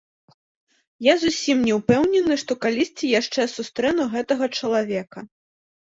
Я зусім не ўпэўнены, што калісьці яшчэ сустрэну гэтага чалавека.